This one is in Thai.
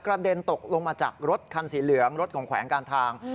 เด็นตกลงมาจากรถคันสีเหลืองรถของแขวงการทาง